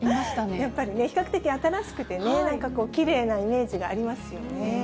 やっぱりね、比較的新しくてね、なんかこう、きれいなイメージがありますよね。